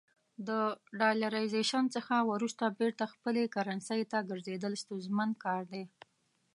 د ډالرایزیشن څخه وروسته بیرته خپلې کرنسۍ ته ګرځېدل ستونزمن کار دی.